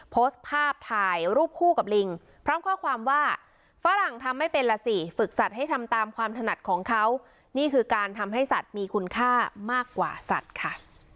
โพสต์ภาพถ่ายรูปคู่กับลิงพร้อมข้อความว่าฝรั่งทำไม่เป็นล่ะสิฝึกสัตว์ให้ทำตามความถนัดของเขานี่คือการทำให้สัตว์มีคุณค่ามากกว่าสัตว์ค่ะ